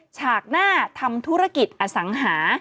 ฉากหน้าทำธุรกิจอสังหา